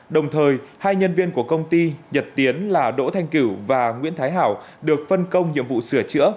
đồng thời hai nhân viên của công ty nhật tiến là đỗ thanh cửu và nguyễn thái hảo được phân công nhiệm vụ sửa chữa